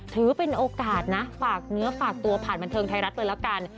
ถือเป็นโอกาสนะฝากเนื้อฝากตัวผ่านบันเทิงไทยรัฐเลยละกัน